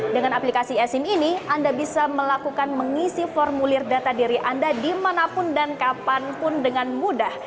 dengan aplikasi esim ini anda bisa melakukan mengisi formulir data diri anda dimanapun dan kapanpun dengan mudah